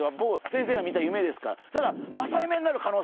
先生が見た夢ですから。